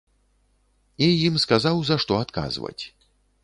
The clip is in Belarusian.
І ім сказаў, за што адказваць.